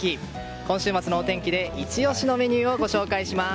今週末のお天気でイチ押しのメニューをご紹介します。